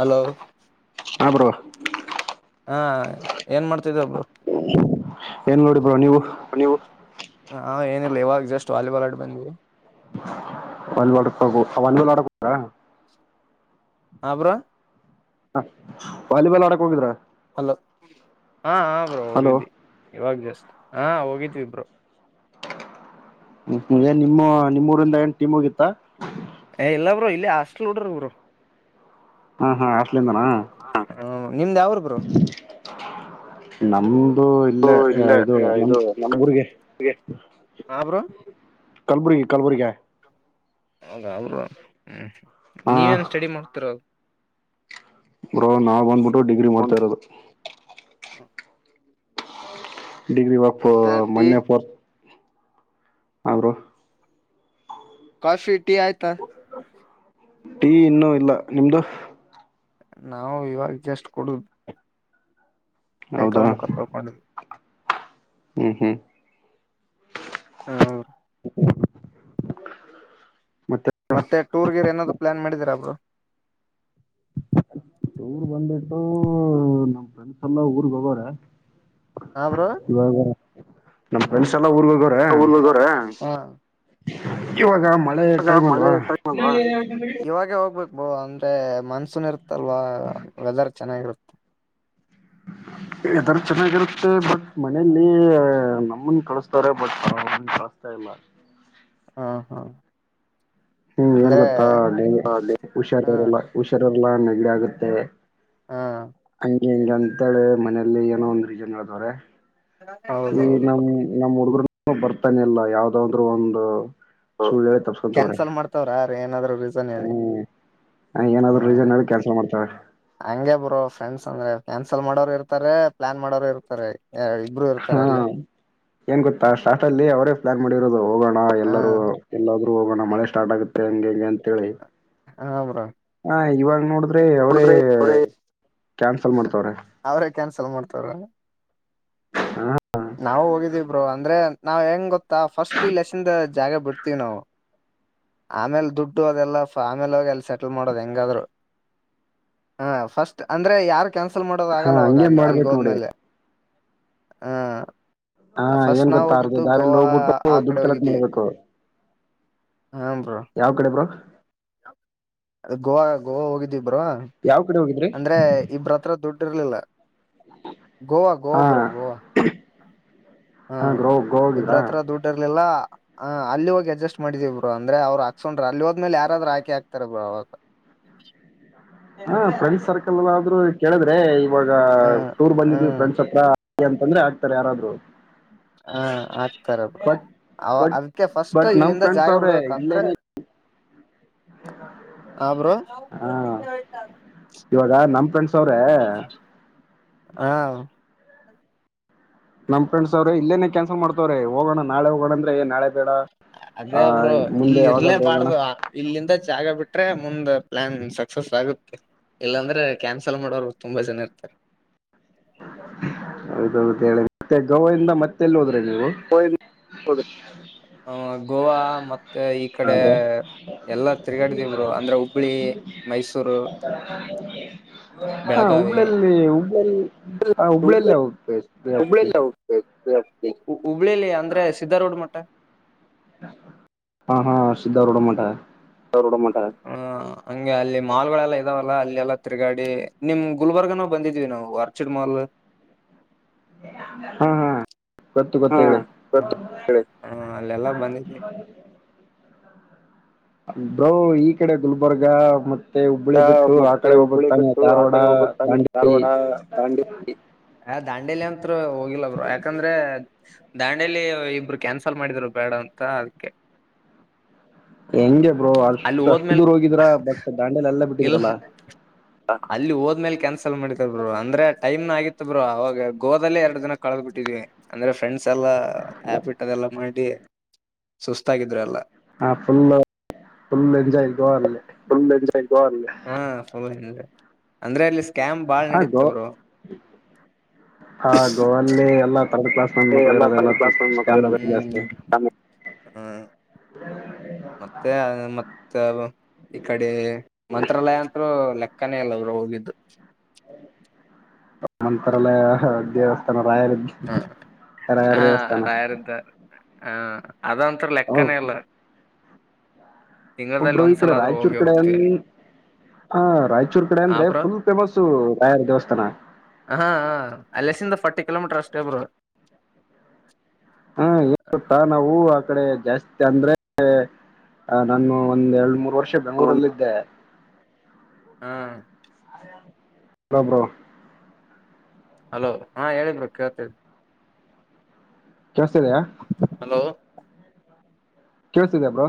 Hello. ಹಾ bro ಹಾ ಏನ್ ಮಾಡ್ತಿದ ಒಬ್ರು. ಏನ್ ನೋಡಿ ಬ್ರೋ ನೀವು ನೀವು ಹಾ ಏನಿಲ್ಲ ಇವಾಗ ಜಸ್ಟ್ ವಾಲಿಬಾಲ್ ಆಡ್ ಬಂದ್ವಿ. [unintelligible] ಹಾಬ್ರ ವಾಲಿಬಾಲ್ ಆಡಕ್ ಹೋಗಿದ್ರ ಹಲೋ ಹಾ ಹ ಹಲೋ ಬೋಗಿದ್ದಿ ಇವಾಗ ಜಸ್ಟ್ ಹಾ ಹೋಗಿದ್ವಿ ಬ್ರೋ ಏನು ನಿಮ್ಮ ನಿಮ್ಮೂಊರಿಂದ ಏನ್ ಟೀಮ್ ಹೋಗಿತ್ತ ಎಲ್ಲ ಬರು ಇಲ್ಲಿ ಹಾಸ್ಟಲ್ ನೋಡ್ರ ಬರು ಹಾ ಹಾ ಆಸ್ಲಿಂದಾನ ಬ್ರೋ ನಿಮ್ದ್ ಯಾವ ಊರು ಬ್ರೋ [inaudible] ನಮ್ದು ಇಲ್ಲೇ ಇಲ್ಲ ಇದು ನಮಬರ್ರಿಗೆ ಹಾಬ್ರೋ ಕಲಬುರಗಿ ಕಲ್ಬುರಗ ಹೌದಾ ಅವರು ಹ್ಮ್ ಹಾ ನೀವೇನ್ ಸ್ಟಡಿ ಮಾಡ್ತರ ಬ್ರೋ ನಾವ್ ಬಂದ್ಬಿಟ್ಟು ಡಿಗ್ರಿ ಮಾಡತ ಇರೋದು ಡಿಗ್ರಿ ಒಫ್ ಮತ್ತೆ ಟೀ ಮೊನ್ನೆ ಪಫೋರ್ತ್ ಹಬ್ರು ಕಾಫಿ ಟಿ ಆಯತ ಟೀ ಇನ್ನುೂ ಇಲ್ಲ ನಿಮ್ದು ನಾವು ಇವಾಗ ಜಸ್ಟ್ ಕೊಡುದು ಹೌದಾ ತೊಳ್ಕೊಂಡಿದ್ವಿ ಹ್ಮ್ ಹ್ಮ್ ಹಾಂ ಅವೌ ಮತ್ತೆ ಮತ್ತೆ ಟೂರ್ಗ ಏನಾದ್ ಟೂರು ಪ್ಲಾನ್ ಮಾಡಿದೀರಾಬ್ರು ಊರ್ ಬಂದ್ಬಿಟ್ಟು ನಮ್ ಫ್ರೆಂಡ್ಸ್ ಎಲ್ಲ ಊರ್ಗ್ ಹೋಗಾರೆ ಹಾ ಬ್ರೋ ಇವಾಗ ನಮ್ಮ್ ಫ್ರೆಂಡ್ಸ್ ಎಲ್ಲ ಊರಿಗೆ ಹೋಗಿರಿ ಊರಿಗೆ ಹೋಗಿದ್ದಾರೆ ಇವಾಗ ಮಳೆ ಟೈಮ್ ಅಲ್ವಾ ಇವಾಗ ಹೋಗ್ಬೇಕ ಬಹ ಅಂದ್ರೆ ಮನ್ಸೂನ್ ಇರುತ್ತಲ್ವಾ ವೆದರ್ ಚೆನ್ನಾಗಿರುತ್ತೆ ಎದಾರ್ ಚೆನ್ನಾಗಿರುತ್ತೆ ಬಟ್ ಮನಲಿ ನಮ್ಮನ್ ಕಳಸ್ತಾರೆ ಬಟ್ ಅವ ಕಳುಸ್ತಾ ಇಲ್ಲ ಹ ಹಾ ಹ್ಮ್ ಏನ್ ಅಂದ್ರೆ ಗೊತ್ತಾ ಹಾ ಹುಷಾರರೆಲ್ಲ ಹುಷಾರರೆಲ್ಲಾ ನೆಗಡಿ ಆಗುತ್ತೆ ಹಾ ಹಂಗ ಹಿಂಗ ಅಂತೇಳಿ ಮನೇಲಿ ಏನೋ ಒಂದ್ ರೀಜನ್ ಅದವ್ರೆ ಈ ಹೌದೌದು ನಮ್ ನಮ್ಮ್ ಹುಡುಗರು ಬರ್ತಾನೆಲ್ಲ ಯಾವ್ದಾದ್ರು ಒಂದು ಸುಳ್ಳ್ಯ ಹೇಳೆ ತಸ್ಕೊಂತವ್ರೆ [unintelligible] ಏನಾದ್ರರು ಹ್ಮ್ ಏನಾದ್ರು ರೀಸನ್ಲ್ಲಿ ಕೆಲ್ಸ ಮಾಡ್ತವೆ ಹಂಗಗೆ ಬ್ರೋ ಫ್ರೆಂಡ್ಸ್ ಅಂದ್ರೆ ಕ್ಯಾನ್ಸಲ್ ಮಾಡೋರು ಇರ್ತಾರೆ ಪ್ಲಾನ್ ಮಾಡೋರು ಇರ್ತಾರೆ ಇಬ್ರು ಹಾ ಇರ್ತಾರೆ ಅಲ್ಲೇ ಏನ್ ಗೊತ್ತಾ ಸ್ಟಾರ್ ಅಲ್ಲಿ ಅವರೇ ಪ್ಲಾನ್ ಮಾಡಿರೋದು ಹೋಗೋಣ ಹ ಎಲ್ಲರೂ ಎಲ್ಲಾದ್ರೂ ಹೋಗೋಣ ಮಳೆ ಸ್ಟಾರ್ಟ್ ಆಗುತ್ತೆ ಹಂಗೆ ಹಂಗೆ ಅಂತೇಳಿ ಹ ಬ್ರೋ ಹ ಇವಾಗ ನೋಡ ಅವ್ರ ಅವರೇ ನೋಡಿದ್ರೆ ಅವ್ರೇ ಕ್ಯಾನ್ಸಲ್ ಮಾಡ್ತವ್ರ ಅವ್ರೇ ಕ್ಯಾನ್ಸಲ್ ಮಾಡ್ತವ್ರ ಹಾ ನಾವವು ಹೋಗಿದೀ ಬ್ರೋ ಅಂದ್ರೆ ನಾವ್ ಹೆಂಗ್ ಗೊತ್ತಾ ಫಸ್ಟ್ ಈ ಲೆಸನ್ ಜಾಗ ಬಿಡ್ತೀವಿ ನಾವು ಆಮೇಲೆ ದುಡ್ಡು ಅದೆಲ್ಲಫ ಆಮೇಲೆೋಗಿ ಅಲ್ಲಿ ಸೆಟಲ್ ಮಾಡೋದುಹೆಂಗಾದ್ರು ಹ ಫಸ್ಟ್ ಅಂದ್ರೆ ಯಾರ್ ಕ್ಯಾನ್ಸಲ್ ಮಾಡೋದು ಹಾ ಆಗಲ್ಲವಾಗ ಹಂಗೆ ಅಲ್ಲಿ ಅಲ್ಲಿಗೆ ಮಾಡ್ಬೇಕ್ ನೋಡಿ ಹೋದ್ಮೇಲೆ ಹಾ ಹಾ ಫಸ್ಟ್ ಏನ್ ನಾವ ಗೊತ್ತಾ ಅರ್ಧ ಹೋಗಿದ್ದು ದಾರಿಲ್ಲಿ ಗೋವಾ ಹೋಗ್ಬಿಟ್ಟು ಆ ದುಡ್ಡು ಕಡೆ ಕಲೆಕ್ಟ್ ಹೋಗಿದ್ವಿ ಮಾಡ್ಬೇಕು ಹ ಬ್ರು ಯಾವ ಕಡೆ ಬ್ರೋ ಅ ಗೋವಾ ಗೋವಾ ಹೋಗಿದೀವಿ ಬ್ರು ಯಾವ ಕಡೆ ಹೋಗಿದ್ರಿ ಅಂದ್ರೆ ಇಬ್ರ ಹತ್ರ ದುಡ್ ಇರ್ಲಿಲ್ಲ ಗೋವಾ ಗೋವಾ ಹಾ ಬ್ರು ಗೋವಾ ಹ್ಮ ಹಾ ಗ್ರೋ ಗೋ ಹೋಗಿದ್ರಾ ಇಬ್ರತ್ರ ದುಡ್ಡರ್ಲಿಲ್ಲ ಹ ಅಲ್ಲಿ ಹೋಗಿ ಅಡ್ಜಸ್ ಮಾಡಿದಿವ್ ಬ್ರು ಅಂದ್ರೆ ಅವ್ರು ಹಾಕಿಸ್ಕೊಂಡ್ರು ಅಲ್ಲಿ ಹೋದ್ಮೇಲೆ ಯಾರಾದ್ರು ಹಾಕೆ ಹಾಕ್ತಾರ ಅವಾಗ ಅನಿಂಟೆಲಿಜಬಲ್ [inaudible] ಹ ಫ್ರೆಂಡ್ಸ್ ಸರ್ಕಲಲಾದ್ರು ಆದ್ರೂ ಕೇಳಿದ್ರೆ ಇವಾಗ ಹ್ಮ್ ಟೂರ್ ಬಂದಿದ್ವಿ ಹ್ಮ್ ಫ್ರೆಂಡ್ಸ್ ಹತ್ರ ಅಂತಂದ್ರೆ ಆಗ್ತಾರೆ ಯಾರಾದ್ರು ಹ ಆಕ್ತರ ಬ್ರು ಬಟ್ ಅವ ಬಟ್ ಅದಿಕ್ಕೆ ಫಸ್ಟ್ ಬಟ್ ನಮ್ ಇಲ್ಲಿಂದ ಫ್ರೆಂಡ್ಸ್ ಜಾಗ ಬಿಡ್ಬೇಕ ಅಂದ್ರೆ ಹಾ ಬ್ರೋ ಹಾ ಇವಾಗ ನಮ್ ಫ್ರೆಂಡ್ಸ್ ಅವ್ರೆ ಹಾ ನಮ ಫ್ರೆಂಡ್ಸ್ ಅವ್ರೆ ಇಲ್ಲೇನೆ ಕ್ಯಾನ್ಸಲ್ ಮಾಡ್ತವ್ರೆ ಹೋಗೋಣ ನಾಳೆ ಹೋಗೋಣಂದ್ರೆ ಏ ನಾಳೆ ಬೇಡ ಆ ಅದೇಬ್ರು ಮುಂದೆ ಇಲ್ಲಿ ಇರ್ಲೇ ಯಾವಾಗಾದ್ರೂ ಹೋಗೋಣ ಬಾರ್ದು ಇಲ್ಲಿಂದ ಜಾಗ ಬಿಟ್ರೆ ಮುಂದ ಪ್ಲಾನ್ ಸಕ್ಸಸ್ ಆಗುತ್ತೆ ಇಲ್ಲಾಂದ್ರೆ ಕ್ಯಾನ್ಸಲ್ ಮಾಡೋರು ತುಂಬಾ ಜನ ಇರ್ತಾರೆ ಹೌದೌದು ಹೇಳ ಮತ್ತೆ ಗೋವ ಇಂದ ಮತ್ತೆಲ್ಲಿ ಹೋದ್ರಿ ನೀವು ಹ ಗೋವಾ ಮತ್ ತ್ತ ಈ ಹಾ ಕಡೆ ಬ್ರೋ ಎಲ್ಲಾ ತಿರುಗಾಡಿದಿವ್ ಬ್ರು ಅಂದ್ರೆ ಹುಬ್ಳಿ ಮೈಸೂರು ಹ ಹಾ ಬೆಳಗಾವಿ ಹುಬ್ಬಳ್ಳಲ್ಲಿ ಹುಬ್ಳಲ್ಲಿ ಹುಬ್ಳ್ಳಲ್ಲೇ ಹೋಗ ಹುಬ್ಳ್ಳಿಲ್ಲಿ ಅಂದ್ರೆ ಸ್ಧಾರೋಡ್ ಮಟ್ಟ ಹಾ ಹಾ ಸ್ಧಾ ರೋಡ ಮಾಡ ಹ ಹಂಗೆ ಅಲ್ಲಿ ಮಾಲ್ಗಳೆಲ್ಲಾ ಇದಾವಲ್ಲ ಅಲ್ಲೆಲ್ಲಾ ತಿರುಗಾಡಿ ನಿಮ್ ಗುಲ್ಬರ್ಗನು ಬಂದಿದ್ವಿ ನಾವು ಆರ್ಚಿಡ್ ಮಾಲ್ ಹಾ ಹಾ ಗೊತ್ತು ಗೊತ್ ಹೇಳಿ ಹ ಅಲ್ಲಲ್ಲಾ ಬಂದಿದ್ವಿ ಬ್ರು ಈ ಕಡೆ ಗುಲ್ಬರ್ಗ ಮತ್ ಮತ್ತೆ ಹುಬ್ಬಳಿ ಬಿಟ್ಟು ಆ ಮತ್ತೆ ಕಡೆ ಹೋಬೇಕ್ ಹುಬ್ಬಳಿ ತಾನೆ ಬಿಟ್ಟು ಆ ಧಾರವಾಡ ಕಡೆ ಹೋಗ್ಬೇಕ್ ತಾನೆ ಬಂಟಿ ಧಾರವಾಡ ದಾಂಡೇಲಿ ಆ ದಾಂಡೇಲಿ ಅಂತ್ರು ಹೋಗಿಲ್ಲ ಬ್ರು ಯಾಕಂದ್ರೆ ದಾಂಡಿಯಲಿ ಇಬ್ರು ಕ್ಯಾನ್ಸಲ್ ಮಾಡಿದ್ರು ಬೇಡ ಅಂತ ಅದಕ್ಕೆ ಹೆಂಗೆ ಬ್ರೋ ಅಲ್ಲಿ ಅಷ್ಟು ಅಷ್ಟು ಹೋದ್ಮೇಲ್ ದೂರ್ ಹೋಗಿದ್ರಾ ಬಟ್ ದಾಂಡೆಲೆ ಎಲ್ಲ ಇಲ್ಲ ಬಿಟ್ಟಿದ್ರಲ್ಲ ಅಲ್ಲಿ ಹೋದ್ಮೇಲೆ ಕ್ಯಾನ್ಸಲ್ ಮಾಡಿದ ಬರು ಅಂದ್ರೆ ಟೈಮ್ ನ ಆಗಿತ್ ಬ್ರ ಅವಾಗ ಗೋದಲ್ಲೇ ಎರಡು ದಿನ ಕಳದ್ ಬಿಟ್ಟಿದ್ವಿ ಅಂದ್ರೆ ಫ್ರೆಂಡ್ಸ್ ಎಲ್ಲಾ ಆ್ಯಾಪಿ ಇಟ್ಟದೆಲ್ಲಾ ಮಾಡಿ ಸುಸ್ತಾಗಿದ್ರು ಎಲ್ಲ ಹ ಫುಲ್ ಫುಲ್ ಎಂಜಾಯ್ ು ಎಂ್ ಅಂದ್ರೆ ಅಲ್ಲಿ ಸ್ಕ್ ಹ ಗೋ ಹ ಗೋವಲ್ಲಿ ಎಲ್ಲ ರ್ಡ್ ಕ್ಲಾಸ್ ನನ್ ಈ ಮಕ್ಳು ಎಲ್ಲಾ ಇರೋದೆಲ್ಲ ಕಡೆದ ಕ್ಲಾಸ್ ಮಕ್ಳು ಸ್ಕ್ಯಾಮ್ ಇರ ಮಾಡ್ತಿವಿ ಜಾಸ್ತಿ ಮತ್ತೆ ಮ ಮ ಈ ಕಡೆ ಮಂತ್ರಾಲಯ ಅಂತರು ಲೆಕ್ಕನೇ ಅಲ್ಲ ಅವ್ರು ಹೋಗಿದ್ದು ಮಂತತ್ರಾಲಯ ದೇವಸ್ಥಾನ ರಾಯಲ್ ಹ ಹಾ ರಾಯರದ್ದು ಹಾ ಅದ ಒಂಂತರ ಲೆಕ್ಕನ ಎಲ್ಲ ಹಬ್ರ ಇಕಡೆ ರಾಯಚೂರು ಕಡೆ ಹೋಗ್ತಿವಿ ಅಲ್ಲಿ ಹ ರಾಯಚೂರ್ ಕಡೆ ಹ ಅಂದ್ರೆ ಬ್ರೋ ಫುಲ್ ಫೇಮಸ್ಸು ರಾಯಾರ ದೇವಸ್ಥಾನ ಹ ಅಲ್ಲಸ ಫಾರಟಿ ಕಿಲೋಮೀಟರ್ ಅಷ್ಟೇ ಇಬ್ರು ಹಾ ಏನ್ ಗತ್ತಾ ನಾವು ಆ ಕಡೆ ಜಾಸ್ತಿ ಅಂದ್ರೆ ಹ ನಾನು ಒಂದ್ ಎರಡು ಮೂರು ವರ್ಷ ಬೆಂಗಳೂರಲ್ಲ ಇದಿದ್ದೆ ಹಾ ಬ್ರೋ ಹಲೋ ಹಾ ಹೇಳಿದ್ರು ಬ್ರೋಕೇಳ್ತಿದಿ ಕೆೇಳಸ ಇದೆಯಾ ಹಲೋ ಕೇಳತಿದೆಬ್ರು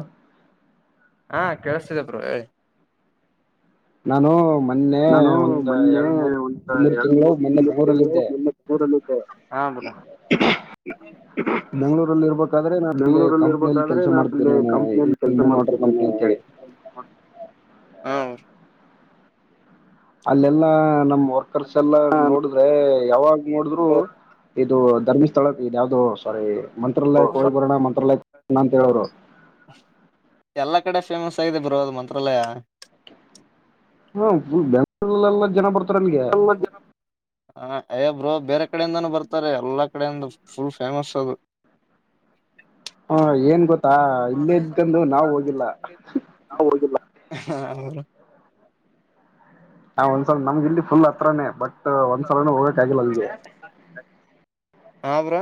ಹಾ ಕೇಳಸ್ತಿದೆ ಬ್ರೋ ಹೇಳಿ ನಾನು ಮೊನ್ನೆ ನಾನು ಒಂದ ಮೊನ್ನೆ ಎರಡು ಮೂರು ಒಂದ ಮೂರು ಎರಡ್ ತಿಂಗಳು ಮೂರ್ ಮೊನ್ನೆ ತಿಂಗಳು ಬೆಂಗಗಳೂರಲ್ಲಿದ್ದೆ ಮೊನ್ನೆ ಹ [unintelligible] ನಾನು ಅಲ್ಲಿ ಬೆಂಗಗಳೂರಲ್ಲಿ ಕಂಪ್ನಿಯಲ್ಲಿ ಇರ್ಬೇಕಾದ್ರೆ ಕೆಲಸ ಮಾಡ್ತೀನಿ ನ ನಾನು ಕಂಪ್ನಿಯಲ್ಲಿ ಕೆಲ್ಸ ಮೂನ್ ವಾಟರ್ ಮಾಡ್ತೇನೆ ಕಂಪ್ನಿ ಅಂತೇಳಿ ಅಲ್ಲೆಲ್ಲಾ ನಮ್ ವರ್ಕರ್ಸ್ ಎಲ್ಲಾ ಅಲ್ಲೆಲ್ಲ ನೋಡುದು ಅ್ರ ಯಾವಾಗ ನೋಡಿದ್ರು ಇದು ಧರ್ಮಸ್ಥಳಕ್ಕೆ ಇ ಯಾವ್ದೋ ಮಂತ್ರಾಲಯಕ್ಕೆ ಹೋಗುವ ಮಂತ್ರಾಲಯಕ್ಕೆ ಹೋಗ್ಬರಣ ಅಂತ ಹೇಳಿದ್ರು ಮಂತ್ರಾಲಯಣ ಅಂತ ಹೇಳೋರು ಎಲ್ಲಾ ಕಡೆ ಫೇಮಸ್ ಆಗಿದೆ ಬರೋ ಅದು ಮಂತ್ರಾಲಯ ಹ್ಮ ಹ [unintelligible] ಹ ಅಯ್ಯ ಬ್ರ ಬೇರೆ ಕಡೆಯಿಂದಾನೂ ಬರ್ತಾರೆ ಎಲ್ಲಾ ಕಡೆಯಿಂದ ಫುಲ್ ಫೇಮಸ್ ಅದು [unintelligible] ಹ ಏನ್ ಗೊತ್ತಾ ಇಲ್ಲ ಇದ್ಕಂದು ನಾವ್ ಹೋಗಿಲ್ಲ ನಾ್ ಹೋಗಿಲ್ಲ ಹ ನಾ ಒಂದ್ಸಲ ನಮ್ಗೆ ಇಲ್ಲಿ ಫುಲ್ ಹತ್ರಾನೇ ಬಟ್ ಒಂದ್ಸಲಾನ ಹೋಗಕ್ ಆಗಿಲ್ಲ ಅಲ್ಲಿಗೆ ಆವ್ರ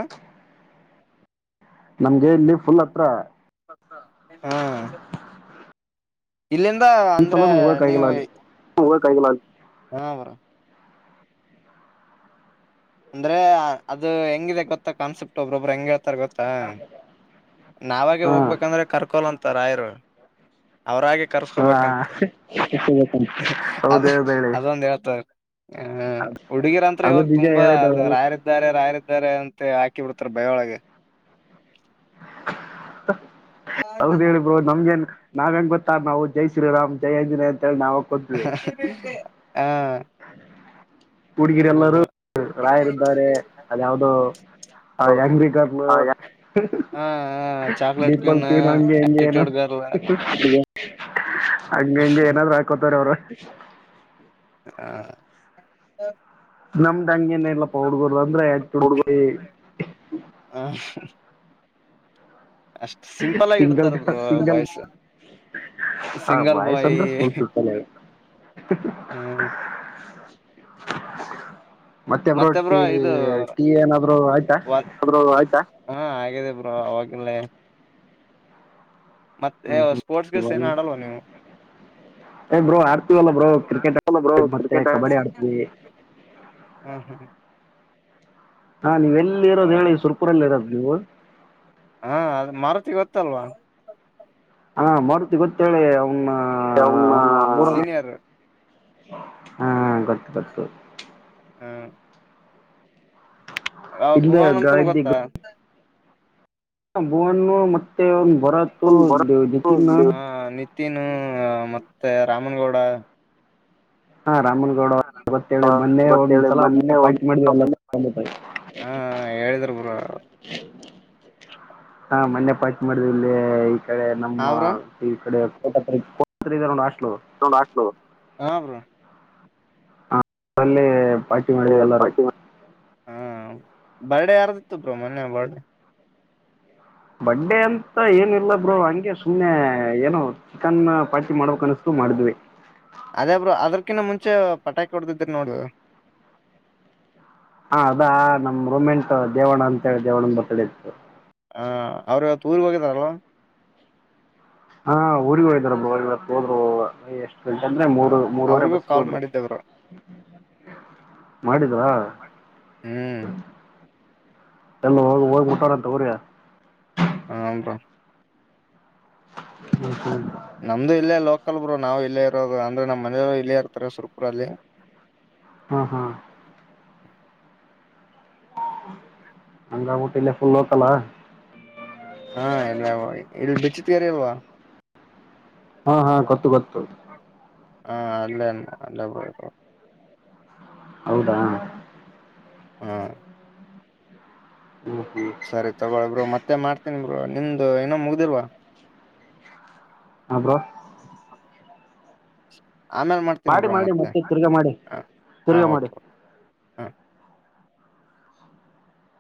ನಮ್ಗೆ ಇಲ್ಲಿ ಫುಲ್ ಹತ್ರ ಹಾ ಇಲ್ಲಿಂದ ಅಂದ್ರೆ ಒಂದ್ಸಲನೂ ಹೋಗಕ್ ನೀವು ಆಗಿಲ್ಲ ಅಲ್ಲಿ ಹ ಬರ ಅಂದ್ರೆ ಅದು ಹೆಂಗಿದೆ ಗೊತ್ತಾ ಕಾನ್ಸೆಪ್ಟ್ ಒಬ್ರೊಬ್ರು ಹೆಂಗ್ ಹೇಳ್ತಾರ ಗೊತ್ತಾ ನಾವಾಗೆ ಹಾ ಹೋಗ್ಬೇಕಂದ್ರೆ ಕರ್ಕೊಲ್ಂತ ರಾಯರು ಅವ್ರಾಗೆ ಅವರಾಗೆಕರ್ಸ್ಕೋಬೇಕಂತೆ ಅ ಹೌದ ಹೌದು ಹೇಳಿ ಅದೊಂದ ಹೇಳ್ತ ಹ ಹಡುಗಿರ ಅಂತ್ ಅದು ಇವಾಗ ನಿಜ ತುಂಬಾ ಹೇಳಿದ ಅದು ರಾಯರಿದ್ದಾರೆ ರಾಯರಿದ್ದಾರೆ ಅಂತ ಕೊಡ್ತಾರೆ ಬಯ್ಯೋ ಹಾಗೆ ಹೌದ ನಮ್ಗೆನ್ ನಾವ್ ಹೆಂಗ್ ಗೊತ್ತಾ ನಾವು ಜೈ ಶ್ರೀರಾಮ್ಯ ಅಂಜಿನಯ ಅಂತ ಹೇಳಿ ನಾ ಹಾ ಹುಡುಗಿರೆ ಹಂಗೆ ಎಲ್ಲರೂ ಬ್ರೋ ರಾಯರ್ದಾರೆ ಅಲ್ ಯಾವ್ದೋ ಆ ಯಂಗ್ರಟನ್ ಹಾ ಹಾ ಚಾಕ್ಲೇಟ್ ಕ್ವೀನ್ ದೀಪಲ್ಕ್ ಏನ್ ಅಂದೆ ಅಂದೆ ಏನು ಆಟಿಟ್ಯೂಡ್ ಗರ್ಲ್ [unintelligible] ಹಂಗೆ ಅಂದ ಏನಾದ್ರು ಹಾಕೋತಾರ ಅವ್ರ [unintelligible] ನಮ್ದಂಗೆನ ಇಲ್ಲಪಾ ಹುಡಗೂರು ಅಂದ್ರ ತುಡಪ್ತಿ ಆ ಅಷ್ಟ್ ಸಿಂಪಲ್ ಆಗಿ ಸಿಂಗಲ್ ಇಡ್ತಾರ ಬ್ರೋ ಸಿಂಗಲ್ ವಾಯ್ಸ ಹಾ ಸಿಂಗಲ್ ವಾಯ್ಸ್ ಬಾಯ್ ಅಂದ್ರೆ ಫುಲ್ ಸಿಂಪಲ್ ಹ್ಮ ಮತ್ತೆ ಬ್ರೋ ಟೀ ಟೀ ಏನಾದರು ಆಯ್ತಾ ಒನ್ ಆಯ್ತಾ ಹಾ ಆಗೆದ ಬ್ರೋ ಆಗಿಲ್ಲಾ ಮತ್ತೆ ಹ್ಮ್ ಹ್ಮ್ ಸ್ಪೋರ್ಟ್ಸ್ ಗಿಟ್ಸ್ ಏನು ಆಡಲ್ವ ನೀವು. ಏ ಬ್ರೋ ಆಡ್ತೀವಲ್ಲ ಬ್ರೋ ಕ್ರಿಕೆಟ್ [unintelligible] ಮತ್ತೆ ಕ್ರಿಕೆಟ್ ಕಬಡ್ಡಿ ಆಡ್ತೀವಿ ಹಾ ಹಾ. ಹಾ ನೀವು ಎಲ್ಲಿ ಇರೋದು ಹೇಳಿ ಹೌದಾ ಸುರ್ಪುರಲ್ಲಿ ಇರೋದು ನೀವು? ಹಾ ಅದ ಮಾರುತಿ ಗೊತ್ತಲ್ವಾ? ಹಾ ಮಾರತಿ ಗೊತ್ತೇಳಿ ಅವನು ಅವನ್ನ ಅವನು ನಮ್ಮೂರನೇ. ಸೀನಿಯರ್ ಹಾ ಗೊತ್ತು ಗೊತ್ತು. ಹಾ. ಆ ಇಲ್ಲ ಭೂವನ್ ಅಂತನು ಗಾದಿ ಗೊತ್ತಾ? ಭುವನ್ ಮತ್ತೆ ಅವ ಬರತು ಬಿಪಿನ ತ್ತೀನು ಮತ್ತೆ ರಾಮನಗೌಡ ಹಾ ರಾಮನಗೌಡ ಗೊತ್ತೇಳಿ ಮೊನ್ನೆ ಗೊತ್ತೇಳಿ ಒಂದ್ಸಲ ಮೊನ್ನೆ ಪಾರ್ಟಿ ಹೋಗ ಮಾಡಿದ್ವಿ ಎಲ್ಲ ಮೊನ್ನೆ ಹಾ ಹೇಳಿದ್ರ ಬ್ರೋ. ಹಾ ಮನ್ನೆ ಪಾರ್ಟಿ ಮಾಡಿದೇವ ಇಲ್ಲಿ ಈ ಕಡೆ ಹಾ ನಮ್ಮ ಬ್ರೋ ಈ ಕಡೆ [unintelligible] ಕೋರ್ಟ್ ಹತ್ತಿರ ಇದೇ ನೋಡು ಹಾಸ್ಟೆಲ್ ಹಾಸ್ಟೆಲು ಹ್ಮ್ ಬ್ರೋ. ಮೊನ್ನೆ ಪಾರ್ಟಿ ಮಾಡಿದ್ವಿ ಎಲ್ಲರೂ [unintelligible] ಬರ್ಡೆ ಯಾರ್ದಿತ್ತು ಮೊನ್ನೆ ಬರ್ಡೆ ಬರ್ಡೆ ಅಂತ ಏನಿಲ್ಲ ಬ್ರೋ ಹಂಗೆ ಸುಮ್ನೆ ಮೊನ್ನೆ ಏನೋ ಚಿಕನ್ ಪಾರ್ಟಿ ಮಾಡಬೇಕ ಅನಿಸ್ತು ಮಾಡಿದ್ವಿ. ಅದೇ ಬ್ರೋ ಅದ್ರಕಿನ್ನ ಮುಂಚೆ ಪಟಾಕಿ ಹೊಡ್ದಿದ್ರಿ ನೋಡ್. ಹಾ ಅದಾ ನಮ್ ರೊಮೆಂಟ್ ದೇವಣ ಅಂತಿ ದೇವಣನ್ ಬರ್ತಡೆ ಇತ್ತು. ಹ ಅವ್ರು ಇವತ್ತ್ ಊರಿಗೆ ಹೋಗಿದಾರಲ್ವಾ? ಹಾ ಊರಿಗೆ ಹೋಗಿದಾರ ಬ್ರೋ ಇವತ್ತ್ ಹೋದ್ರು ಎಷ್ಟ [unintelligible] ಆ, ಮೂರು ಮೂರವರೆ ಅವ್ರಿಗೂ ಬಸ್ಗೆ ಕಾಲ್ ಹೋದ್ರು ಮಾಡಿದ್ದೆ ಬ್ರೋ ಮಾಡಿದ್ರ? ಹ್ಮ್ ಎಲ್ಲ ಹೋಗಿ ಹೋಗಿ ಮುಟ್ಟವ್ರೇ ತೊಗೊಳ್ಳಿ. ಹಾ ಬ್ರೋ. [inaudible] ನಮ್ದು ಇಲ್ಲೇ ಲೋಕಲ್ ಬ್ರೋ ನಾವ್ ಇಲ್ಲೇ ಇರೋದು ಅಂದ್ರೆ ನಮ್ಮ ಮನೆಯವರು ಇಲ್ಲೇ ಇರ್ತಾರೆ ಸುರ್ಪುರ ಅಲ್ಲಿ. ಹ್ಮ ಹಾ. ಹಂಗಾಗಿ ಬಿಟ್ಟು ಫುಲ್ ಲೋಕಲ್ಲಾ ಹಾ ಇಲ್ವಾ ಇಲ್ಲಿ ಬಿಚ್ಚತಿರಿ ಇಲ್ವಾ? ಹಾ ಹಾ ಗೊತ್ತು ಗೊತ್ತು. ಹಾ ಅಲ್ಲೇ ಅಲ್ಲೇ ಬ್ರೋ ಇದು. ಹೌದಾ ಹಾ ಹ್ಮ್ ಹ್ಮ್ ಸರಿ ತಗೊಬರು ಮತ್ತೆ ಮಾಡ್ತನಿ ಬರು ನಿಮ್ದು ಏನೊ ಮುಗ್ದಿಲ್ವಾ ಹ ಬ್ರೋ ಆ ಮೇಲೆ ಮಾಡ್ತ ಮಾಡಿ ಮಾಡಿ ಮತ್ತೆ ತಿರ್ಗಾ ಮಾಡಿ ಹಾ ತಿರ್ಗಾ ಮಾಡಿ ಓಕೆ ಓಕೆ ಹಾ